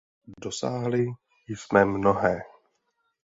Dosáhli jsme mnohé.